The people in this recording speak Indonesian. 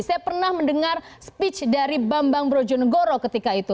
saya pernah mendengar speech dari bambang brojonegoro ketika itu